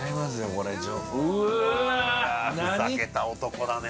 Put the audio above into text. これふざけた男だね